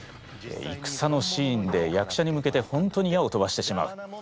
いくさのシーンで役者に向けて本当に矢を飛ばしてしまう。